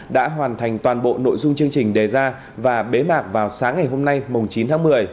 đã hoàn thành toàn bộ nội dung chương trình đề ra và bế mạc vào sáng ngày hôm nay chín tháng một mươi